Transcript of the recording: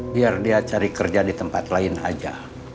biar dia cari kerja di tempat lain aja